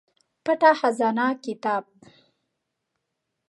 پټه خزانه کتاب